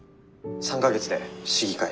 「３か月で市議会」。